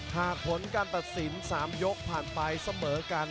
หากผลการตัดสิน๓ยกผ่านไปเสมอกัน